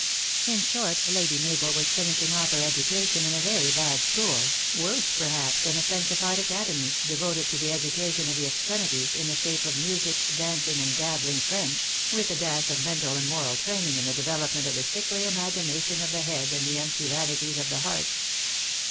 In short, Lady Mabel was THE ACTRESS IN HIGH LIFE. 27 finishing off her education in a very bad school, worse, perhaps, than a Frenchified academy, devoted to^tlie education of the extremities, in the shape of music, dancing and gabbling French, with a dash of mental and moral training in the development of the sickly imagination of the head and the empty vanities of the heart.